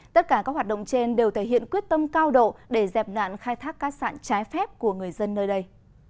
tất cả các hoạt động trên đều thể hiện quyết tâm cao độ để dẹp nạn khai thác cát sạn trái phép của người dân nơi đây